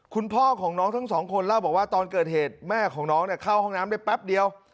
คุณพ่อของน้องทั้งสองคนเล่าบอกว่าตอนเกิดเหตุแม่ของน้องเข้าห้องน้ำได้แป๊บเดียว